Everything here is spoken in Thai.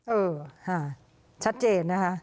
เออค่ะชัดเจนนะคะ